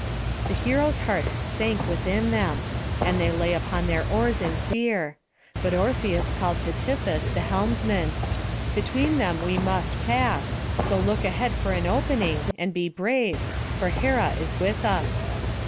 The heroes' hearts sank within them, and they lay upon their oars in fear; but Orpheus called to Tiphys the helmsman: "Between them we must pass; so look ahead for an opening, and be brave, for Hera is with us."